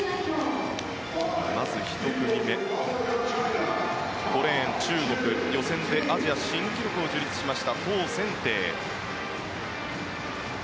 まず１組目、５レーン、中国予選でアジア新記録を樹立しましたトウ・センテイ。